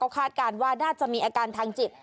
คาดการณ์ว่าน่าจะมีอาการทางจิต